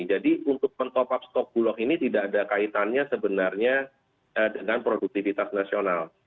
untuk mentop up stok bulog ini tidak ada kaitannya sebenarnya dengan produktivitas nasional